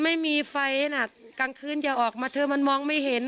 ไม่มีไฟน่ะกลางคืนอย่าออกมาเธอมันมองไม่เห็น